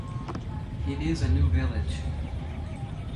It is a new village.